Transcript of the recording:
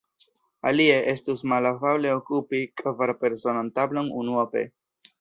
Alie, estus malafable okupi kvarpersonan tablon unuope.